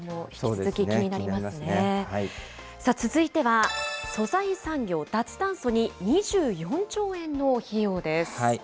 続いては、素材産業、脱炭素に２４兆円の費用です。